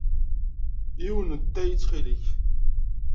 Yiwen n ttay ttxil-k!